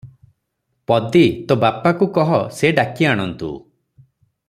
ପଦୀ- ତୋ ବାପାକୁ କହ, ସେ ଡାକି ଆଣନ୍ତୁ ।